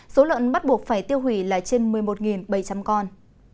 số lợn bắt buộc phải tiêu hủy là trên một mươi một bảy trăm linh con